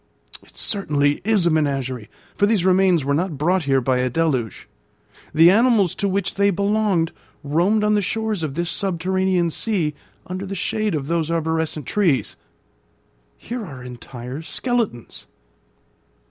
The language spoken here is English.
It certainly is a menagerie, for these remains were not brought here by a deluge. The animals to which they belonged roamed on the shores of this subterranean sea, under the shade of those arborescent trees. Here are entire skeletons.